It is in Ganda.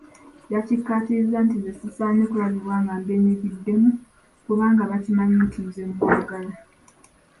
Yakikkaatiriza nti nze sisaanye kulabibwa nga mbyenyigiddemu kubanga bakimanyi nti nze mmwagala.